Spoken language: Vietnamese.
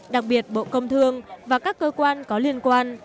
đặc biệt bộ công thương và các cơ quan có liên quan